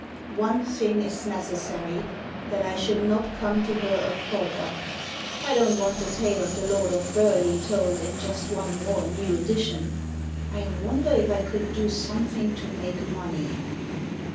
One thing is necessary, that I should not come to her a pauper. I don't want the tale of the Lord of Burleigh told in just one more new edition. I wonder if I could do something to make money